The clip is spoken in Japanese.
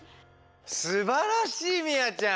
すばらしいみあちゃん！